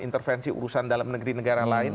intervensi urusan dalam negeri negara lain